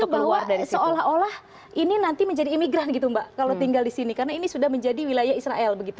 bahwa seolah olah ini nanti menjadi imigran gitu mbak kalau tinggal di sini karena ini sudah menjadi wilayah israel begitu